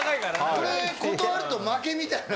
これ断ると負けみたいな。